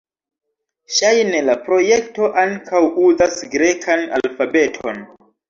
Ŝajne la projekto ankaŭ uzas grekan alfabeton.